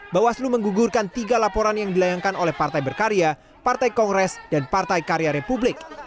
bawaslu menggugurkan tiga laporan yang dilayangkan oleh partai berkarya partai kongres dan partai karya republik